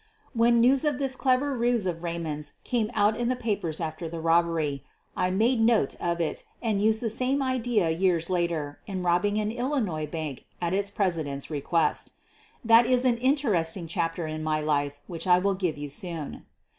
When news of this clever ruse of Raymond's came out in the papers after the robbery, I made a note of it and used the same idea years later in robbing an Illinois bank at its president's request. That is an interesting chapter in my life which I will give you soon.